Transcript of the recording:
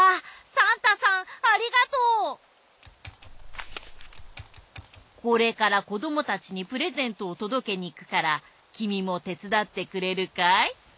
サンタさんありがとう！これからこどもたちにプレゼントをとどけにいくからきみもてつだってくれるかい？